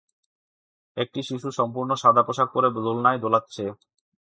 একটি শিশু সম্পূর্ণ সাদা পোশাক পরে দোলনায় দোলাচ্ছে।